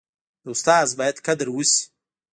د استاد باید قدر وسي.